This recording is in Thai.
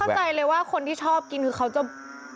เข้าใจเลยว่าคนที่ชอบกินคือเขาจะ